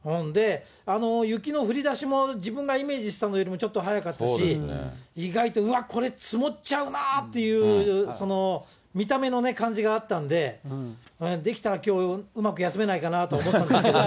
雪の降りだしも、自分がイメージしてたのよりも、ちょっと早かったし、意外と、うわっ、これ積もっちゃうなっていう、その見た目の感じがあったんで、できたらきょううまく休めないかなって思ってたんですけど。